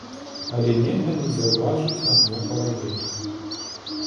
Але нельга не заўважыць адну паралель.